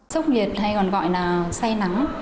sốc nhiệt hay còn gọi là say nắng